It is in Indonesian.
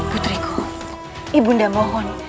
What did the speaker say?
putriku ibunda mohon